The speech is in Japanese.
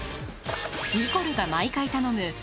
ニコルが毎回頼む